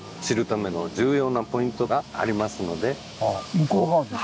向こう側ですか。